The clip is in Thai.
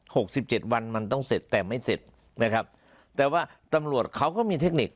สิบเจ็ดวันมันต้องเสร็จแต่ไม่เสร็จนะครับแต่ว่าตำรวจเขาก็มีเทคนิค